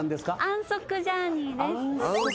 安息ジャーニー？